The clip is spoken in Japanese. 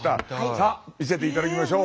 さあ見せて頂きましょう。